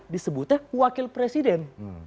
disebutnya wakil presiden